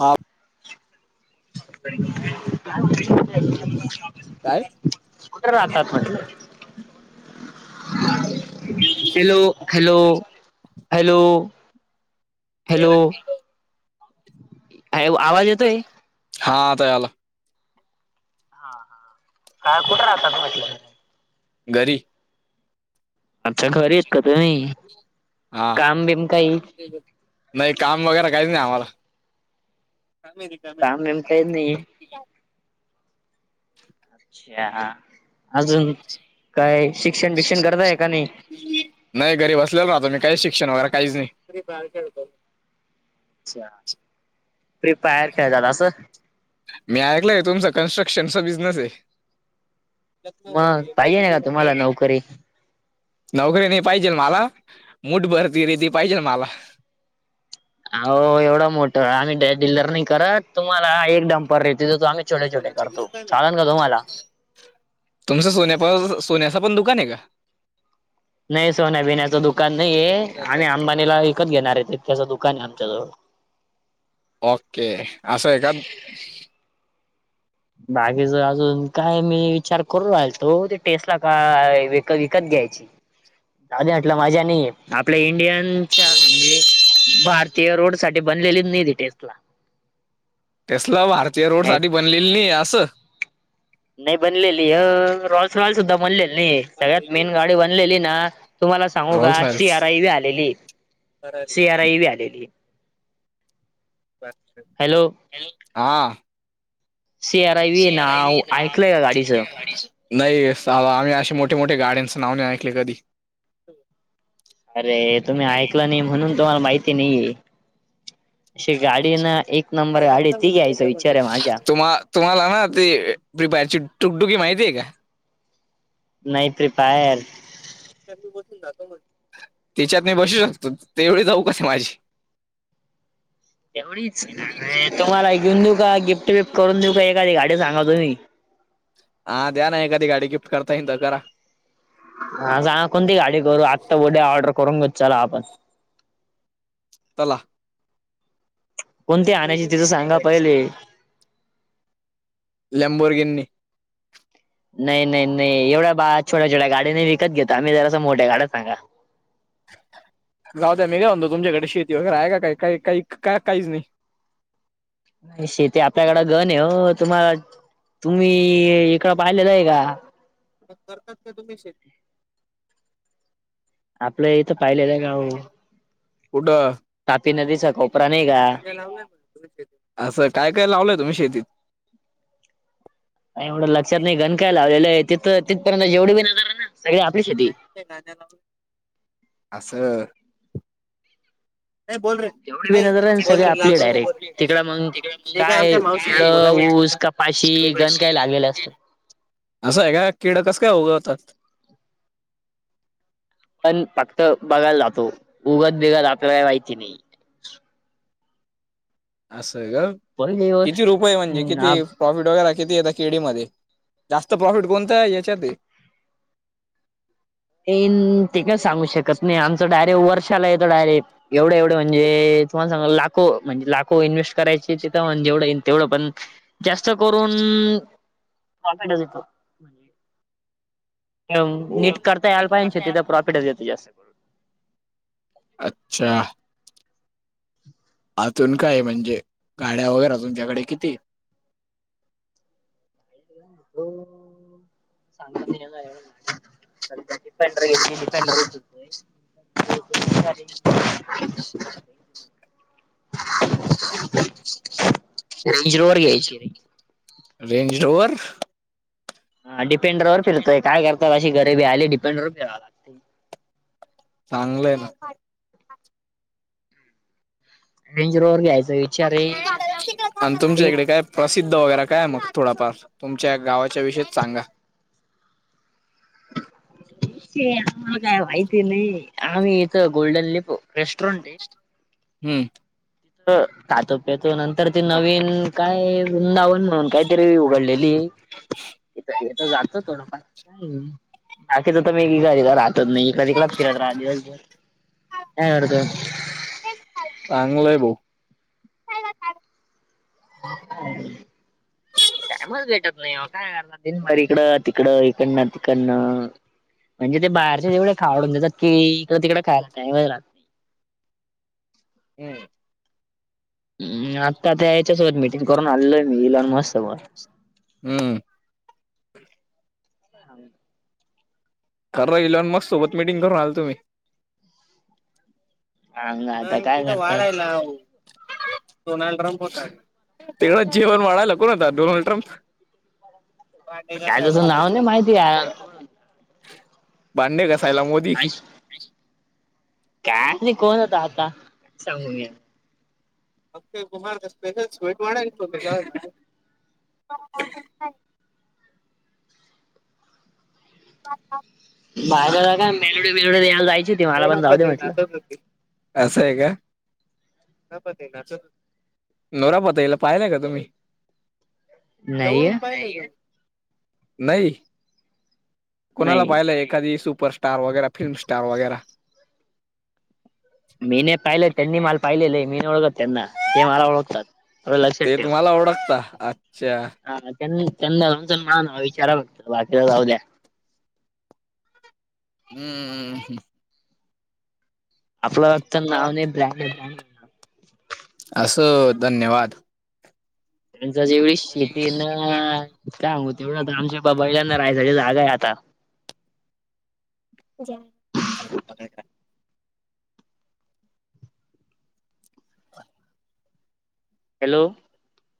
हां. [unintelligible] कुठं राहतात म्हटलं? Hello, hello, hello, hello! आवाज येतोय? हा आता यायलाय. काय कुठे राहतात म्हटलं? घरी. अच्छा घरी येत का तुम्ही हा काम बिम काही. नाही काम वगैरे काहीच नाही आम्हाला. काम बीम काहीच नाही. अच्छा! अजून काय शिक्षण बिक्षण करतय का नाही? नाही घरी बसलेल ना मी काही शिक्षण वगैरे काहीच नाही. अच्छा! फ्री फायर खेळतात असं. मी ऐकलंय आहे तुमच कन्स्ट्रक्शनचा बिझनेस आहे. मग पाहिजे नाही का तुम्हाला नोकरी. नोकरी नाही पाहिजे मला मुठ [unintelligible] पाहिजे मला. हो एवढं मोठं आम्ही डीललरनिंग करत तुम्हाला एक पद्धतीचा आम्ही छोट्या छोट्या करतो चालेल का तुम्हाला? तुमचं सोन्या सोन्याचा पण दुकान आहे का? नाही सोन्या बिन्याचं दुकान नाहीये, आम्ही अंबानीला विकत घेणार आहे त त्याचं दुकान आहे आमच्या जवळ. ओके! असहाय का? बाकीच अजून काय मी विचार करू राहिल तो ते टेस्टला का व विकत घ्यायच. दा म्हटलं माझ्यानी आपल्या इंडियनच्या म्हणजे भारतीय रोड साठी बनलेली निधी टेसला. तसल भारतीय रोड नाही साठी बनलेली नाही असं. नाही बनलेली अ रॉस रॉल सुद्धा बनलेली नाही सगळ्यात मेन गाडी बनलेली ना तुम्हाला सांगू राहुल का C Royals R I B आलेली, सी आर आय बी आलेली हॅलो हा सी आर आय व ना ऐकलंय का गाडीचं. नाही सा वा आम्ही असे मोठे नावने ऐकले कधी. अरे! तुम्ही ऐकलं नाही म्हणून तुम्हाला माहिती नाही आहे, अशी गाडी ना एक नंबर गाडी ती घ्यायच विचार माझ्या. तुम्हा तुम्हाला ना ते बारची टुकडुकी माहितीय का? नाही ते पायर तिच्या तू बसून जातो म्हणलं तिच्यात मी बसू शकतो तेवढी जाऊ का माझ्याशी [inaudible] एवढीच इच्छा नाही, तुम्हाला एक घेऊन देऊ का गिफ्ट बिफ्ट करून देऊ का एकादी गाडी सांगा तुम्ही? हा द्या ना एखधी गाडी गिफ्ट करता येईन तर करा. हा सांगा कोणती गाडी करू आत्ता उद्या ऑर्डर करून विचारा आपण तला कोणती आणायची ति तर सांगा पहिले. लेम्बोर्गिनी. नाही नाही नाही एवढ्या बा छोट्या छोट्या गाड्या नाही विकत घेता आम्ही जरासं मोठ्या गाड्या सांगा. जाऊ द्या मी काय म्हणतो तुमच्याकडे शेती वगैरे आहे का काही काही काही का काहीच नाही? शेती आपल्याकड गन आहे हो तुम्हाला तुम्ही इकडं पाहिलेलं नाही का पण करतात का तुम्ही शेती? आपलं इथं पाहिलेलं आहे का हो आपल्या [unintelligible] कुठं? तापी नदीचा कोपरा नाही का? लावूया असं काय काय लावलंय तुम्ही शेतीत? नाही एवढं लक्षात नाही गन काय लावलेलं आहे तिथं तिथपर्यंत जेवढ बी नजर ना सगळी आपली शेती. असं नाही बोल रे, जेवढे बी नाही नजर बोल सगळे रे आपले लाजू नको डायरेक्ट तिकडं मग ठीक आहे काय आमच्या केळ मावशी बोला ऊस म्हटलं. कपाशी गण काय लागलेले असतात. असं आहे का किड कस काय उगवतात? पण फक्त बघायला जातो उगत बिगत आपल्याला काय माहिती नाही. असं ग पहिली गोष्ट किती रुपये म्हणजे किती हम्म प्रॉफिट वगैरे किती यता खेडी मध्ये जास्त प्रॉफिट कोणतं याच्यात हे? एन ते काय सांगू शकत नाही आमचं डायरेक्ट वर्षाला येतो डायरेक्ट एवढं एवढं म्हणजे तुम्हाला सांग लाखो म्हणजे लाखो इन्व्हेस्ट करायची तिथं म्ह जेवढं येईन तेवढं पण जास्त करून प्रॉफिटच येतो हो. नीट करता यायला पाहिेजे ना शेती तर प्रॉफिटच येतं जास्त मग, अच्छा. आतून काय म्हणजे गाड्या वगैरे अजून तुझ्याकडे किती हे? सांग [unintelligible] पढर घेतली पंढर [unintelligible] रिजरोवर घ्यायची रेंगरोअर रेंजरोवर हा. डिेंडर वर फिरतोय काय [unintelligible] अशी गरीबी आली डिपंडर फिराला चांगलंय ना. रेंज रोव्हर घ्यायचय. आणि तुमच्या इकडे काय प्रसिद्ध वगैरे काय मग थोडाफार तुमच्या गावाच्या विषयीत सांगा. ते आम्हाला काय माहिती नाही आम्ही इथ गोल्डन लिप रेस्टॉरंट हे हम्म खातो प्याेतो नंतर ती नवीन काय वृंदावन म्हणून काहीतरी उघडलेली हे [unintelligible] इथथ जातो [unintelligible] हो ना पण बाकीच तर मी राह [unintelligible] नाही कधी कला फिड राली कायतो [unintelligible] चांगलंय भो. ह [unintelligible] टाईमच भेटत नाही, काय आता दिनभर तिकडं इकडन तिकडनं [inaudible] म्हणजे ते बाहेरचे तेवढे खाऊडून देतात की, इकडे तिकडे खायला टाईमच राहत हम्म. हम्म्म, आता त्या याच्यासोबत मिटिंग करून आललोय मी इलॉन मस्त सोबत. हम्म. ह [unintelligible] खरं ईलॉन मस्स सोबत मिटिंग करून आलतो मी. सांग ह आता काय तिथं करतात. वाडाय लाव. डोनाल्ड ट्रम्प होता, तेना जेवण वाडायला कोण होता, डोनाल्ड ट्रम्प. काय तसं नाव नाही माहिती यार. भांडे गासायला मोदी. कायली कोण होता आता,, सांगून येल अक बुहाार स्पेशल स्वीट वाढायला होते काय. ह [unintelligible] जा का मेलोड मेलड यायला [unintelligible] असय का. नोरापात येला पाहिलाय का तुम्ही. नाहीये जवळून पायलय का, नै. कोणाला नाही पाहिलंय एखादी सुपरस्टार वगैरा फिल्म स्टार वगैरा. [inaudible] मी नै पाहिले त्यांनी माला पाहिलेय, मी नै ओळखत त्यांना ते माला ओळखतात. थोडं ते लक्षात ठेवा. तुम्हाला ओळखता, अच्छा. हा, त्यांन चंद च माणा ना विचार बघत, बाकीच जाऊद्या. हम्ममम हम्म. आपलं फक्त नाव नाही ब्रँड एक हाय. असं धन्यवाद. त्यां जेवढी शेती ना सांगू तेवढं आमच्या बा बैलांना राहायच जागा आहे आता. [unintelligible] ह [unintelligible] हॅलो!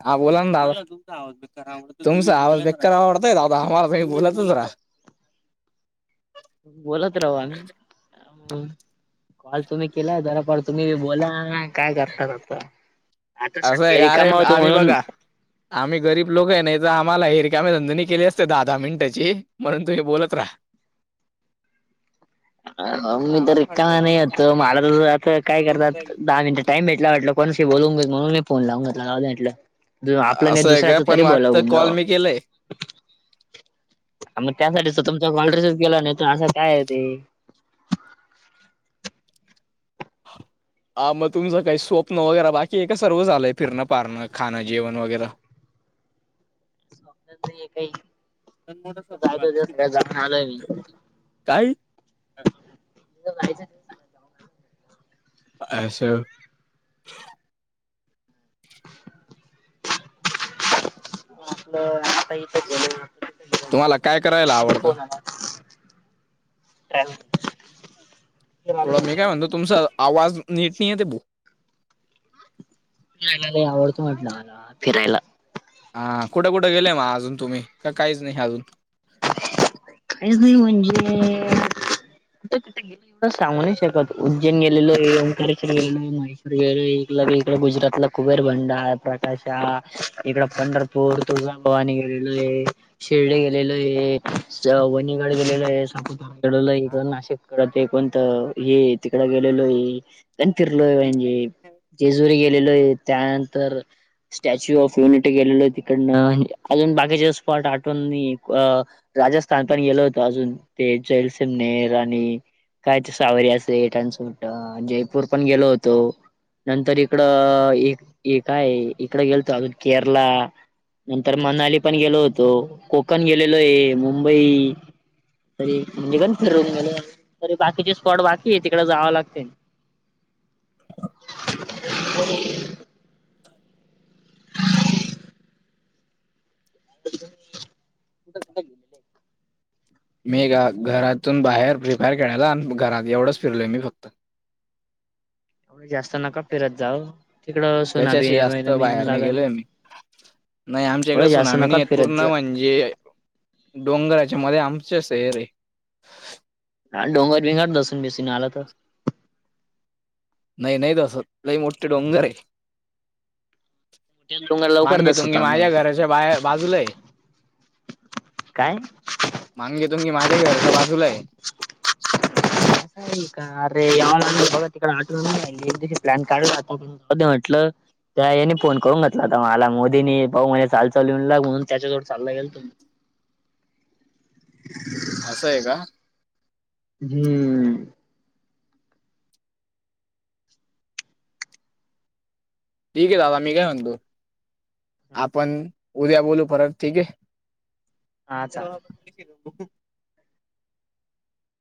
हा बोला ना, तुमचा आवाज बेकार आवडतय दादा आम्हाला काही बोलतच राहा. बोलत राहू आम्ही, आम्ही कॉल तुम्ही केला जरा तुम्ही बी बोला काय करतात आता. आता असंय सध्या का अरे रिकामा होतो आम्ही म्हणून बघा आम्ही गरीब लोक आहे, नाही तर आम्हाला हे रिकामे धंदे नाही केली असते दहा दहा मिनिटाचे, म्हणून तुम्ही बोलत राहा. [inaudible] मी तर रिकामा नाही होतो, मला तर आता काय करतात दहा मिनिटं टाईम भेटला म्हटलं कोणशी बोलून घेऊ त म्हून फोन लावून घेतला जाऊदे म्हटलं. ते आपलं नाही, असं आहे का दूसर्याच पण तरी भलं वाटतं हून कॉल जावं. मी केलंय मग त्यासाठीच तुमचा कॉल रिसीव केला, नाही असं काय आहे ते. हा हा मग तुमचं काही स्वप्न वगैरे बाकी सर्व झालंय फिरं फारणं खाणं वगैरे नाही काही तीथ जाखण आलोय मी काय? नाही जात. असं. आपलं आता ईथे चालू तुम्हाला काय कुठे करायला आवडतं फोन आला होता. ट्रॅव्हल्स थोडं! मी काय म्हणतो, तुमचा आवाज नीट नाही आहे ते भाऊ. फिरायला आवडतो म्हटलं मला फिरायला. हा कुठे कुठे गेलेय मग अजून तुम्ही का काहीच नाही अजून काहीच नाही म्हणजे कुठ कुठ गेले. सांगू नाही शकत उज्जेन गेलेलो, ओंकारेश्वर गेलो, महे्वर गेलो, गुजरातला कुबेर बंडा प्रकाश, इकड पंढरपूर तुळगाभवानीरे गेलो आहे. शिर्डी गेलेलो आहे. वनीगडे गेलेलं आहे संपड नाशिकड कोण ते हे तिकड गेलेलो आहे आणि फिरलोय म्हणजे जेजुरी गेलेलो आहे त्यानंतर स्टॅच्यू ऑफ युनिटी गेलेल तिकडनं अजून बाकीचे स्पॉट आठव नाही. राजस्थान पण गेलो होतं अजून ते जैलसिमनेर आणि कायच सावर असटनसूट जयपूर पण गेलो होतो. नंतर इकडं काय इकडं गेलतो अजून केरला नंतर मनाली पण गेलो होतो, कोकण गेलेलो आहे. मुंबई तरी म्हणजे निवांत फिरून गेलं तरी बाकीचे स्पॉट बाकी आहे तिकडे जावं लागतेच तर मग मी घरातून बाहेर प आणि घरात एवढंच फिरलोय मी फक्त जास्त नका फिरत जाव तिकडं सुनाभी त्याच्याशी जास्त मिळन बाहेर नाही लागल. गेलोय मी नाही आमच्या इकडे एवढं जास्त सुनामीनी नका आहेत फिरत पूर्ण जा म्हणजे जे डोंगराच्या मध्ये आमचच हेर आहे. हा डोंगर बिंगर दसून बेसी ना आला तर नाही नाही धसत लई मोठे डोंगर आहे. डोंगर लवकर मांगी तुंगी दसवतात ना माझ्या घराच्या बाहेर बाजूला आहे. काय? मांगीतुंगी की माझ्या घरच्या बाजूला आहे. असं का अरे या बघा तिकडे आठ एकशी प्लॅन काढला आता कधी म्हटलं? त्या यांनी फोन करून घेतला आता मला मोदींनी भाऊ म्हणल चाल चालून ला म्हणून त्याच्याजोड चाल गेल तु असं आहे का? हम्म ठीक आहे दादा मी काय म्हणतो! आपण उद्या बोलोलू परत ठीक आहे. हा चालेल